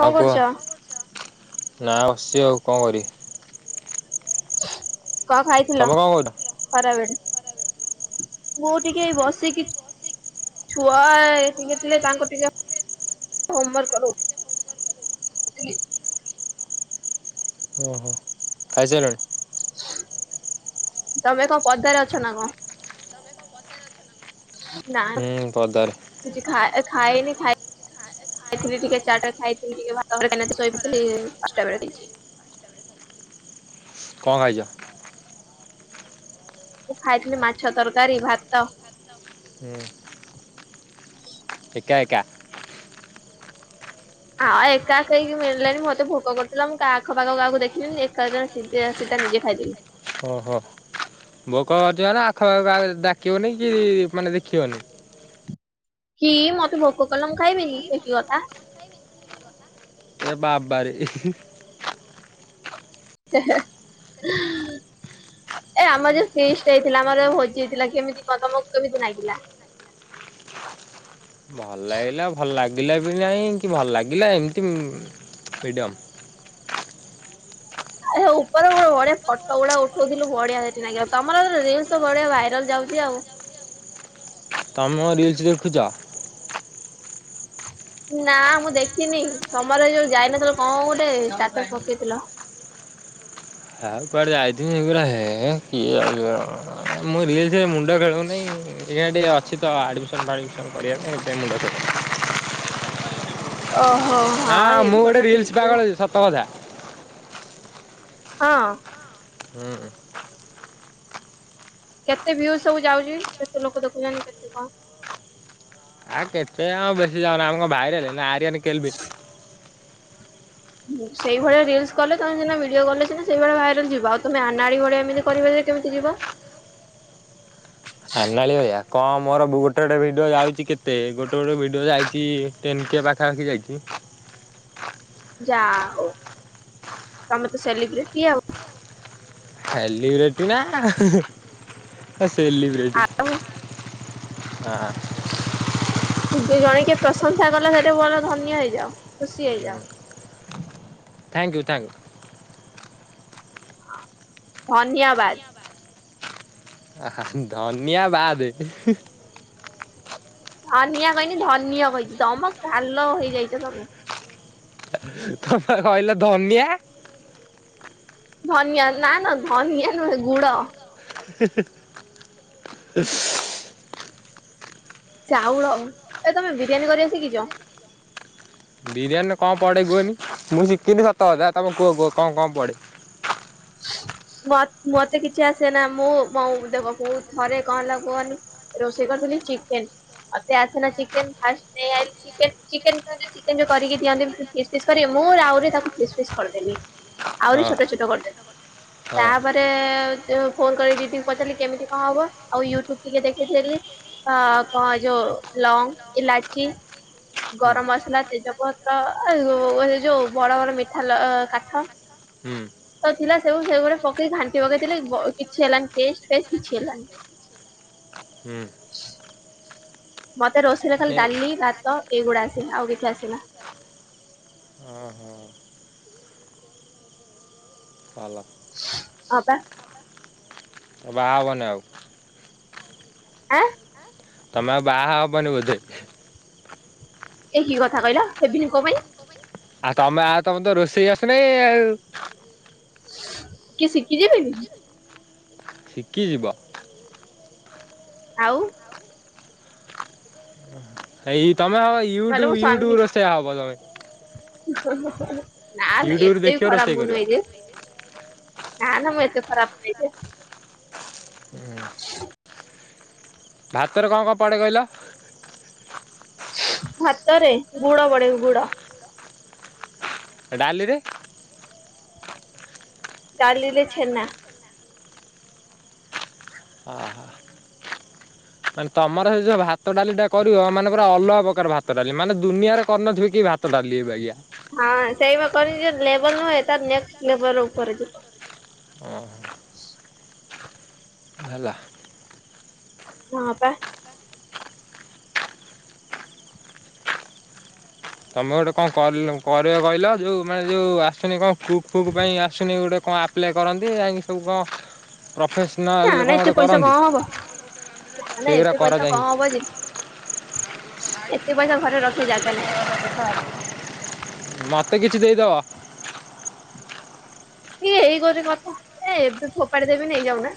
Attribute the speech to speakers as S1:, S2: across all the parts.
S1: ହଁ କୁହ।
S2: କରୁଛ।
S1: ନା ବସଛି ଆଉ କଣ କରି।
S2: [unintelligible] କଣ ଖାଇଥିଲ
S1: କଣ କରୁଛ?
S2: ଖରାବେଣି ମୁଁ ଟିକେ ବସିକି ଛୁଆ ଥିଲେ ତାଙ୍କୁ ଟିକେ ହୋମମାର୍କ କରୋ ଉ ଥିଲି। [inaudible]
S1: ଓହୋ ଖାଇ ସାରିଲାଣି।
S2: ତମେ କ ପଦାରେ ଅଛ ନା କଣ। ନା
S1: ହୁଁ ପଦାରେ
S2: କିଛି ଖା। ଖାଇଏନି ଖାଇ ଖାଇଥିଲି ଟିକେ ଚାଟା ଖାଇଥିଲି ଟିକେ ଭଲ କେ ଶୋଇଥିଲି ପାଞ୍ଚଟା ବେଳେ ହେଇଚି।
S1: କଣ ଖାଇଛ।
S2: ମୁଁ ଖାଇଥିଲି ମାଛ ତରକାରୀ ଭାତ।
S1: ହୁଁ।
S2: [inaudible]
S1: ଏକା ଏକା।
S2: ଆଉ ଏକା ଏକା ହେଇକି ମିଳିଲାନି ମତେ ଭୋକ କରୁଥିଲା ମୁଁ ଆାଖପାଖ କାହାକୁ ଦେଖିଲିନି ଏକା ଜିନ ସ ସିଧା ନିଜେ ଖାଇଦେଲିି।
S1: ଓହୋ ଭୋକ ଅଛି ମାନ ଆଖପାଖ ଡାକିବନି କି ମାନେ ଦେଖିବନି।
S2: କି ମତେ ଭୋକ କଲମ ଖାଇବିନି ସେ କି କଥା।
S1: ଏ ବାବାରେ।
S2: ଏ ଆମର ଯୋଉ ଫିଷ୍ଟ ଟା ହେଇଥିଲା ଆମର ଯୋଉ ଭୋଜିଟା ହେଇଥିଲା କେମିତି କଲ କେମିତି ଲାଗଥିଲା।
S1: ଲ ଲାଗିଲା ଭଲ ଲାଗେ ଲାଗିଲା ବି ନାହିଁ କି ଭଲ ଲାଗିଲା ଏମିତି ମିଡ଼ିଅମ୍
S2: ଆଛ ଉପରେ ଗୋଟେ ବଢି଼ଆ ଫଟୋ ଗୁଡା ଉଠଉଥିଲୁ ବଢିଆ ସେଠି ତମର ରିଲସ ବଢିଆ ଭାଇରାଲ ଯାଉଛି ଆଉ।
S1: ତାମ ରିଲ [inaudible]
S2: ନା ମୁଁ ଦେଖିନି ସମରେ ଯୋଉ ଯାଇନଥିଲ କଣ ଗୋଟେ ଷ୍ଟାଟସ ପକେଇଥିଲ?
S1: [inaudible] ମୁଣ୍ଡ ଖେଳଉନାଇଁ [unintelligible] ଅଛି ତ ଆଡମିସନ ଫାଡ଼ମିସନ୍ କରିବା ପାଇଁ ଏ ମୁଣ୍ଡ
S2: ଓ
S1: ହଁ ମୁଁ ଗୋଟେ ରିଲସ ପାଗଳ ଅଛି ସତ କଥା।
S2: ହଁ
S1: ହୁଁ
S2: କେତେ ଭ୍ୟୁ ସବୁ ଯାଉଛି କେତେ ଲୋକ ଦେଖୁଛନ୍ତି କେତେ କଣ?
S1: ଆଉ କେତେ ଆଉ ବେସି ଯାଉନା ଆମ ଭାଇରାଲ ଆ [inaudible]
S2: ସେଇଭଳିଆ ରିଲସ କଲେ ତମେ ସିନା ଭିଡିଓ ଗଲେ ସିନା ସେଇଭଳି ଭାଇରାଲ ଯିବ ଆଉ ତମେ ଆନାଡି ଭଳିଆ ଏମିତି କରିବ ଯେ କେମିତି ଯିବ?
S1: [inaudible] କଣ ମୋର ଗୋଟେ ଗୋଟେ ଭିଡ଼ିଓ ଯାଉଛି କେତେ ଗୋଟେ ଗୋଟେ ଭିଡ଼ିଓ ଯାଇଛି ଟେନକେ ପାଖାପାଖି ଯାଇଛି।
S2: ଯା ହଉ ତମେ ତ ସେଲିବ୍ରିଟି ଆଉ।
S1: ସେଲିବ୍ରିଟି ନା ସେଲିିବ୍ରିଟି
S2: ଆଉ
S1: ହଁ।
S2: କି ଜଣେ କିଏ ପ୍ରଶଂସା କଲା ସେଠି ଭଲ ଧନ୍ୟ ହେଇଯାଉ ଖୁସି ହେଇଯାଉ।
S1: ଥ୍ୟାଙ୍କ ୟୁ ଥ୍ୟାଙ୍କ ୟୁ,
S2: ଧନ୍ୟବାଦ।
S1: ଧନିଆବାଦେ
S2: ଧନିଆ କହିନି ଧନ୍ଯ କହିଛି ତମ କାଲ ହେଇଯାଇଛ ତମେ।
S1: ତମେ କହିଲ ଧନିଆ।
S2: ଧନିଆ ନା ନା ଧନିଆ ନୁହେ ଗୁଡ଼।
S1: ହେ ହେ,
S2: ଚାଉଳ ଏ ତମେ ବିରିୟାନୀ କରିବା ଶିଖିଛ?
S1: ବିରିୟାନୀ? କଣ ପଡେଇ କୁହନି ମୁଁ ଶି ତିନି ସାତ ହଜାର ତମେ କୁହ କୁହ କଣ କଣ ପଡେ?
S2: ମ ମତେ କିଛି ଆସେନା ମୁଁ ମ ଦେଖ ଥରେ କଣ ହେଲା କୁହନି ରୋଷେଇ କରିଥିଲି ଚିକେନ ମତେ ଆସେନା ଚିକେନ ଫାଷ୍ଟ ନେଇ ଚେନ ଯଉ ଚିକେନ ଯୋଉ କରିକି ଦିଅନ୍ତି ଫିସ୍ ଫିସ୍ କରିବି ମୁଁ ଆହୁରେ ତାକୁ ଫିସ୍ ଫିସ୍ କରିଦେବି। ଆହୁରି
S1: ହଁ।
S2: ଛୋଟ ଛୋଟ କରିଦେବି
S1: ହଁ
S2: ତାପରେ ଫୋନ କରିକି ଦିଦିଙ୍କୁ ପଚାରିଲି କେମିତି କଣ ହବ ଆଉ ୟୁଟ୍ୟୁବ ଟିକେ ଦେଖିଥିଲି କଣ ଏ ଯୋଉ ଲଙ୍ଗ ଇଲାଚି
S1: ହୁଁ
S2: ଗରମ ମସଲା ତେଜପତ୍ର ଯୋଉ ବଡ ବଡ ମିଠା କାଠ
S1: ହୁଁ
S2: ଥିଲା ସେବୁ ସେଗୁଟେ ପକେଇି ଘାଣ୍ଟି ପକେଇଥିଲି କିଛି ହେଲାନି ଟେ ଫେଷ୍ଟ କିଛି ହେଲାନି।
S1: ହୁଁ।
S2: ମତେ ରୋଷେଇରେ ଖାଲି
S1: ଏ
S2: ଡାଲି ଭାତ ଏଇଗୁଡା ଆସେ ଆଉ କିଛି ଆସେନା।
S1: ଓହୋ ଭଲ
S2: ହଁ ପା,
S1: ବାହା ହବନି ଆଉ?
S2: ଆଁ,
S1: ତମେ ବାହା ହବନି ବୋଧେ।
S2: ଏ କି କଥା କହିଲ ହେବିନି କଣ ପାଇଁ?
S1: ଆଉ ତମେ ଆଉ ତମେ ତ ରୋଷେଇ ଆସିନି ଆଉ?
S2: [inaudible] କିଏ ଶିଖିଯିବେନି।
S1: ସିକିଯିବ।
S2: ଆଉ।
S1: ହେଇ ତମେ ହଉ
S2: ନହେଲେ
S1: ୟୁଟ୍ୟୁବ ୟୁଟ୍ୟୁବ ରୋଷେୟା ହବ ତମେ।
S2: ହଁ ହ। ନା
S1: ୟୁଟ୍ୟୁବରୁ
S2: ଏତେ
S1: ଦେଖିବ ରୋଷେଇ
S2: ଖରାପ
S1: କରିବ
S2: ନୁଏ ଯେ। ନା ନା ମୁଁ ଏତେ ଖରାପ ନାଇ ଯେ [inaudible]
S1: ଭାତରେ କଣ କଣ ପଡ଼େ କହିଲ?
S2: ଭାତରେ ଗୁଡ଼ ପଡେ ଗୁଡ?
S1: ଡାଲିରେ?
S2: ଡାଲିରେ ଛେନା।
S1: ଆହା ମାନେ ତମର ସେ ଯୋଉ ଭାତ ଡାଲି ଟା କରିବ ମାନେ ପୁରା ଅଲଗା ପ୍ରକାର ଭାତ ଡାଲି ମାନେ ଦୁନିଆରେ କରିନଥିବେ କି ଭାତ ଡାଲିିବବେ ଆଜ୍ଞା।
S2: ହଁ ସେଇ କ ଲେବଲ ନ ହଏ ତାର ନେକ୍ସ ଲେବଲ ଉପରେ ଯିବ। [inaudible]
S1: ଓହୋ ହେଲା
S2: ହଁ ପା
S1: ତମେ ଗୋଟେ କଣ କର କରିବ କହିଲ? ଯୋଉ ମାନେ ଯୋଉ ଆସୁନି କଣ--? କୁକ୍ ଫୁକ୍ ପାଇଁ ଆସୁନି ଗୋଟେ କଣ ଆପ୍ଲାଏ କରନ୍ତି ଯାଇକି ସବୁ କଣ
S2: ନା
S1: ପ୍ରଫେସନାଲ
S2: ନା
S1: କଣ
S2: ଏତେ
S1: ଗୋଟେ
S2: ପଇସା
S1: କରନ୍ତି
S2: କଣ ହବ? ନା ନା
S1: ସେଇଗୁରା
S2: ଏତେ
S1: କର
S2: ପଇସା କଣ
S1: ଯାଇକି
S2: ହବ ଯେ। ଏତେ ପଇସା ଘରେ ରଖେ ଜାଗା ନାହିଁ ।
S1: ମୋତେ କିଛି ଦେଇଦବ।
S2: ଇ ଗୋଟେ ଏଇ ଗୋଟେ କଥା, ଏ ଏବେ ଫୋପାଡି ଦେବି ନେଇଯାଉନା।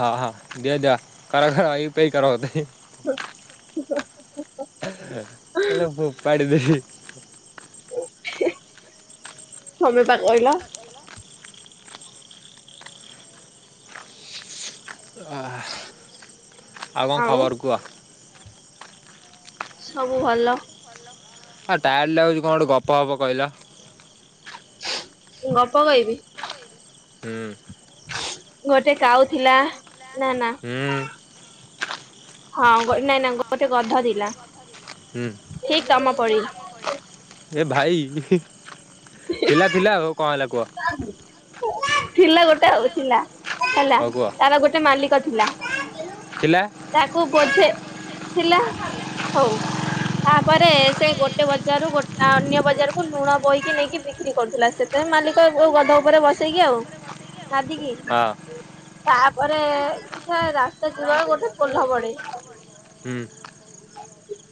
S1: ହଁ ହଁ ଦିଅ, ଦିଅ, କର, କର, ୟୁ ପି ଆଇ ପେ କର ମତେ।
S2: ହଁ
S1: ହେ ପାଡ଼ି ଦେଇି। [unintelligible] [inaudible]
S2: ତମେ ପା କହିଲ? [inaudible]
S1: ଆଉ କଣ ଖବର କୁହ?
S2: ସବୁ ଭଲ।
S1: ଆଉ ଟାୟାର୍ଡ ଲାଗୁଛି କଣ ଗୋଟେ ଗପ ଗପ କହିଲ?
S2: ମୁଁ ଗପ କହିବି?
S1: ହୁଁ
S2: ଗୋଟେ କାଉ ଥିଲା ନା ନା।
S1: ହୁଁ
S2: ହଁ ନାଇଁ ନାଇ ଗୋଟେ ଗଧ ଥିଲା,
S1: ହୁଁ
S2: ଠିକ ତମ ପରି ।
S1: ଏ ଭାଇ ଥିଲା ଥିଲା ଆ ଆଉ କଣ ହେଲା କୁହ?
S2: ଥିଲା ଗୋଟେ ଉ ଥିଲା। [unintelligible] ହେଲା
S1: ହଉ କୁହ।
S2: ତାର ଗୋଟେ ମାଲିକ ଥିଲା।
S1: ଥିଲା
S2: ତାକୁ ବୋଝେ ଥିଲା ହଉ ତାପରେ ସେ ଗୋଟେ ବଜାରରୁ ଗୋଟ ଅନ୍ୟ ବଜାରକୁୁ ଲୁଣ ବୋହିକି ନେଇକି ବିକ୍ରି କରୁଥିଲା ସେତେ ମାଲିକ ଗଧ ଉପରେ ବସେଇକି ଆଉ ? ନାଦିକି।
S1: ହଁ
S2: ତାପରେ ସେ ରାସ୍ତାରେ ଯିବାବେଳେ ଗୋଟେ ପୋଲ ପଡେ।
S1: ହୁଁ।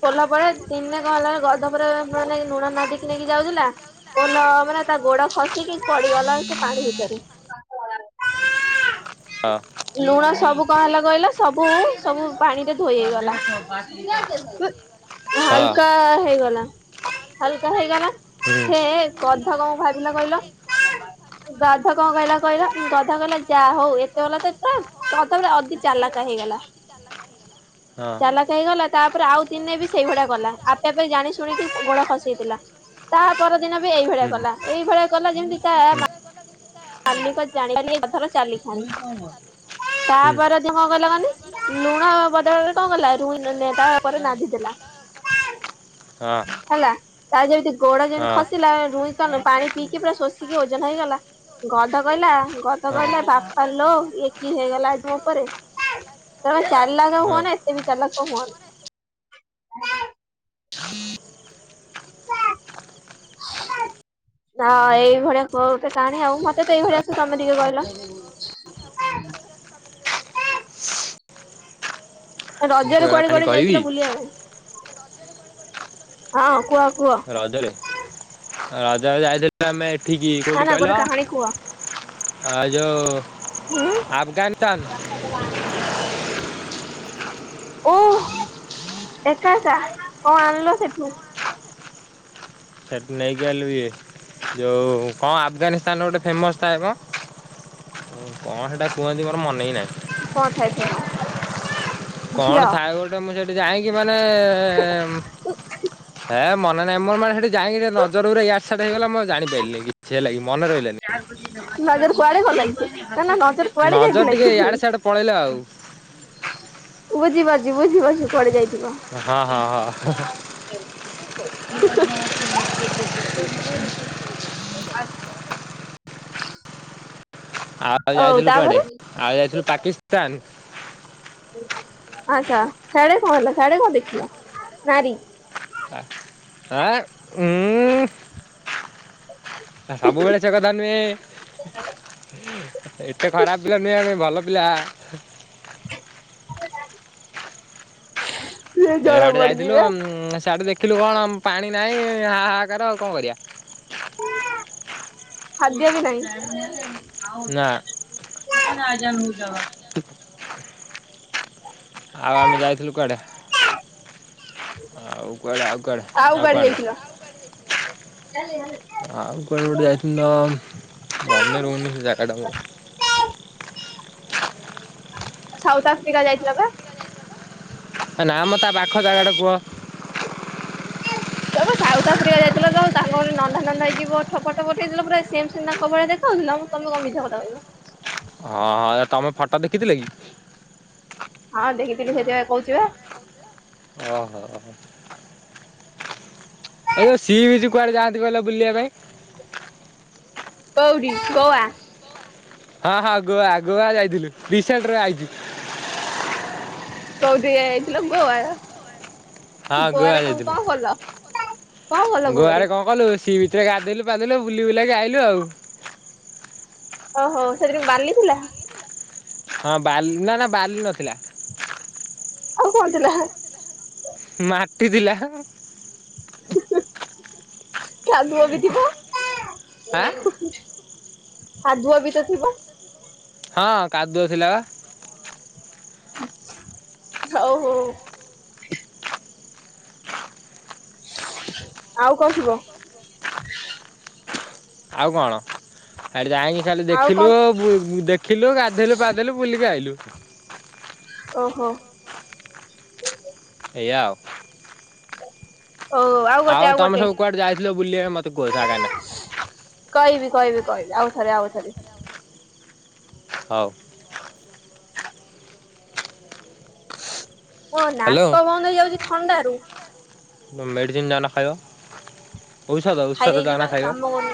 S2: ପୋଲ ପରେ ଦିନେ କଣ ହେଲା ନା- ଗଧ ଉପରେ ମାନେ ଲୁଣ ନଦିକି ନେଇକି ଯାଉଥିଲା ପୋଲ ମାନେ ତା ଗୋଡ ଖସି ଠିକ ପଡିଗଲା ସେ ପାଣି ଭିତରେ
S1: ହଁ
S2: ଲୁଣ ସବୁ କଣ ହେଇଗଲା କହିଲ? ସବୁ ପାଣିରେ ଧୋଇହେଇଗଲା
S1: ହଁ
S2: ହାଲକା ହେଇଗଲା। ହାଲକା ହେଇଗଲା
S1: ହୁଁ
S2: ସେ ଗଧ କଣ ଭାବିଲା କହିଲ? ଗଧ କଣ କହିଲା କହିଲା ଗଧ କହିଲା ଯାହା ହଉ ଏତେବେଲା ତ ପୁରା ଗଧ ପୁରା ଅତି ଚାଲାକା ହେଇଗଲା
S1: ହଁ।
S2: ଚାଲାକା ହେଇଗଲା। ତାପରେ ଆଉ ଦିନେ ବି ସେଇଭଳିଆ ଗଲା ଆପେ ଆପେ ଜାଣି ଶୁଣିକି ଗୋଡ ଖସେଇଦେଲା ତା ପରଦିନ ବି ଏଇଭଳିଆ
S1: ହୁଁ ହଁ ହଁ
S2: କଲା ଏଇଭଳିଆ କଲା ଯେମତି ତା ମା ମାଲିକ ଯା ର ଚାଲି ଖଣି ତାପରଦିନ କଣ କଲା କହନି ଲୁଣ ବଦଳରେ କଣ କଲା ରୁ ତା ଉପରେ ନାଧି ଦେଲା। [unintelligible] ହେଲା ତା ଯେମିତି ଗୋଡ ଯେମିତି
S1: ହଁ
S2: ଖସିଲା ରୁଇ କ ପାଣି ପିଇକି ପୁରା ଶୋଷିକି ଓଜନ ହେଇଗଲା ଗଧ କହିଲା ଗଧ କହିଲା ବାପା ଲୋ ଇ କି ହେଇଗଲା ଆଜି ମୋ ଉପରେ କି ଚାଲାକ
S1: ହଁ
S2: ହୁଅନ ଏତେ ବି ଚାଲାକ ହୁଅନା। ହ ଏଇଭଳିଆ କୋଉଟେ କାହାଣୀ ଆଉ ମତେ ତ ଏଇଭଳିଆ ଆସେ ତମେ ଟିକେ କହିଲ?
S1: ମୁଁ
S2: ରଜ ରେ
S1: ସେଇଭଳିଆ
S2: କୁଆଡେ
S1: କାଣି
S2: କୁଆଡ
S1: କହିବି
S2: ଯାଇଥିଲ ବୁଲିବା ପାଇଁ? ହଁ କୁହ
S1: ରଜରେ ରଜ ରେ ଯାଇଥିଲି। ଆମେ ଏଠିକି
S2: ନା
S1: କୋଉଠି
S2: ନା
S1: କହିଲ
S2: ଗୋଟେ କାହାଣୀ କୁହ
S1: ଆ ଯୋଉ
S2: ହୁଁ
S1: ଆଫଗାନିସ୍ତାନ
S2: ଓ ଏକା ଏକା କଣ ଆଣିଲ ସେଠୁ?
S1: ସେଠି ନେଇକି ଆଇଲୁ ଇଏ ଯୋଉ କଣ ଆଫଗାନିସ୍ତାନ ଗୋଟେ ଫେମସ ଥାଏମ କଣ କଣ ସେଟା କୁହନ୍ତି ମୋର ମନ ହିଁ ନାହିଁ।
S2: କଣ ଥାଏ ଫେମସ? ଝିଅ
S1: କଣ ଥାଏ ଗୋଟେ ମୁଁ ସେଠି ଯାଇଁ। ମାନେ ହେ ମନେ ନାହିଁ ମୋର ମାନେ ସେଠି ଯାଇକି ଟିକେ ନଜରଗୁରା ୟାଡେ ସାଡେ ହେଇଗଲା ମୁଁ ଜାଣିପାରିଲିନି କିଛି ହେଲା କି। ମନେ ରହିଲାନି।
S2: ନଜର କୁଆଡେ ଭଲ ଲାଗଛି ନା ନା। ନଜର କୁଆଡେ
S1: ନଜର
S2: ଯାଇଥିଲା କି?
S1: ଟିକେଇ ଆଡେ ସଆଡେ ପଳେଇଲା ଆଉ।
S2: ବୁଝିପାରୁଛି ବୁଝିପାରୁଛି କୁଆଡେ ଯାଇଛି।
S1: ହଁ ହଁ ହଁ
S2: [inaudible] [inaudible] [inaudible] [inaudible]
S1: ଆଉ
S2: ହଉ
S1: ଯାଇଥିଲୁ କୁଆଡେ
S2: ତାପରେ
S1: ଆଉ ଯାଇଥିଲୁ ପାକିସ୍ତାନ।
S2: ଆଛା ସାଡେ କଣ ହେଲା ସାଡେ କଣ ଦେଖିଲ ନାରୀ।
S1: ଆ ଉଁଉଁ। ସବୁବେଳେ ସେ କଥା ନୁହେଁ ଏତେ ଖରାପ ପିଲା ନୁହେଁ ଆମେ ଭଲ। ପିଲା।
S2: [inaudible] ଜଣା
S1: ଏଇଆଡେ ଯାଇଥିଲୁ
S2: ପଡିଯିବେ
S1: ସେଆଡେ ଦେଖିଲୁ କଣ ପାଣି। ନାଇଁ ହା ହା କାର ଆଉ କଣ କରିବା।
S2: ଖାଦ୍ୟ ବି ନାହିଁ। ଆଉ
S1: ନା
S2: [inaudible] ଟ [inaudible]
S1: ଆଉ ଆମେ ଯାଇଥିଲୁ କୁଆଡେ? ଆଉ କ ଆଉ କ ଆଉ କୁଆଡେ ନାହିଁ।
S2: [inaudible]
S1: ଆଉ କୁଆଡ଼େ ଗୋଟେ ଯାଇଥିଲ ତ ମନେ ରହୁନି ସେ ଜାଗାଟାକୁ।
S2: ସାଉଥ ଆଫ୍ରିକା ଯାଇଥିଲା ପା।
S1: ନା ମ ତା ପାଖ ଜାଗାଟା କୁହ।
S2: ତବ ସାଉଥ ଆଫ୍ରିକା ଯାଇଥିଲା ତବ ତାଙ୍କଟ ନନ୍ଦା ନନ୍ଦା ହେଇଯିବ ଠପଟ ଠପଟ ହେଇଥିଲା ପୁରା ସେମ ସେ ତାଙ୍କ ଭଳିଆ ଦେଖା ହଉଥିଲା ମୁଁ ତମେ କ ମିଛା କଥା କହିବ।
S1: ହଁ ହଁ ତମେ ଫୋଟ ଦେଖିଥିଲେ କି?
S2: ହଁ ଦେଖିଥିଲି ସେଥିପାଇଁ କହୁଛି ବା।
S1: ଓହୋ। ଏ ଯୋଉ ସିଏ ବି ଯ କୁଆଡେ ଯାଆନ୍ତି ବ ବୁଲିବା ପାଇଁ।
S2: ଗୌରିୀଶ ଗୋଆ।
S1: ହଁ ହଁ ଗୁଆ ଗୋଆ ଯାଇଥିଲୁ ରସେଟରେ ଆଇଚୁ।
S2: କଉଠି ଆ ଯାଇଥିଲ ଗୋଆ?
S1: ହଁ ଗୋଆ
S2: ଗୋଆରେ କଣ
S1: ଯାଇଥିଲୁ।
S2: କଣ କଲ କଣ କଲ ଗୋଆରେ
S1: ଗୁଆରେ କଣ କଲୁ ସି ବିଚରେ ଗାଧେଇଲୁ। ପାଧେଇଲୁ ବୁଲି ବୁଲାକି ଆଇଲୁ ଆଉ।
S2: ଓହୋ [unintelligible] ବାଲି ଥିଲା ।
S1: ହଁ ବାଲି ନା ନା ବାଲି ନଥିଲା।
S2: ଆଉ କଣଥିଲା?
S1: ମାଟି ଥିଲା।
S2: ଚାନ୍ଦୁଅ ବି ଥିବ ।
S1: ଆଁ
S2: [inaudible] କାଦୁଅ ବି ତ ଥିବ?
S1: ହଁ କାଦୁଅ ଥିଲା ବା।
S2: ହଉ ହଉ। ଆଉ କଣ ଥିବ?
S1: ଆଉ କଣ? କାଇଁକି ଖାଲି
S2: ଆଉ
S1: ଦେଖିଲୁ
S2: କଣ
S1: ବୁ ଦେଖିଲୁ ଗାଧେଇଲୁ ପାଧେଇଲୁ ବୁଲିକି ଆଇଲୁ।
S2: ଓହୋ।
S1: ସେଇଆ ଆଉ।
S2: ଓ ଗୋଟେ
S1: ଆଉ ତମେ
S2: ଗୋଟେ
S1: ସବୁ କୁଆଡେ ଯାଇଥିଲ ବୁଲିବା ମତେ କୁହ ଜାଗା ନା?
S2: କହିବି କହିବି ଆଉଥରେ ଆଉଥରେ।
S1: ହଉ।
S2: ହ [inaudible] ଓ
S1: ହ୍ୟାଲୋ।
S2: ନାକ ବନ୍ଦ ହେଇଯାଉଚି ଥଣ୍ଡା ରୁ।
S1: ମେଡିସିିନ ଯାଉନ ଖାଇବ। ଔଷଧ ଔଷଧ ଯାଉନ
S2: ଖାଇଦେଇଯିବା
S1: ଖାଇବ।
S2: କାମ କରୁନି